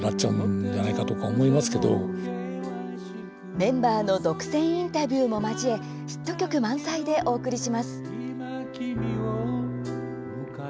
メンバーの独占インタビューも交えヒット曲満載でお送りします。